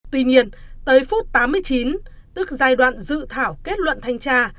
tuy nhiên tới phút tám mươi chín tức giai đoạn dự thảo kết luận thanh tra